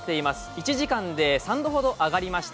１時間で３度ほど上がりました。